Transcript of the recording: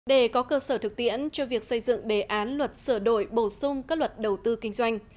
để có cơ sở thực tiễn cho việc xây dựng đề án luật sửa đổi bổ sung các luật đầu tư kinh doanh